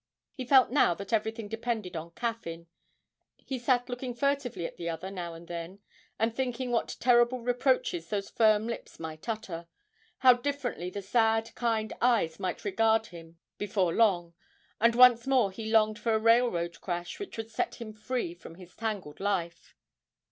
He felt now that everything depended on Caffyn. He sat looking furtively at the other now and then, and thinking what terrible reproaches those firm lips might utter; how differently the sad, kind eyes might regard him before long, and once more he longed for a railroad crash which would set him free from his tangled life.